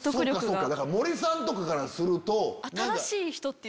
森さんとかからすると。